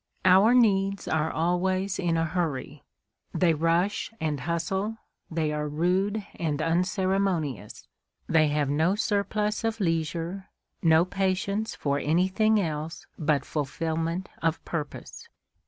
Our needs are always in a hurry. They rush and hustle, they are rude and unceremonious; they have no surplus of leisure, no patience for anything else but fulfilment of purpose.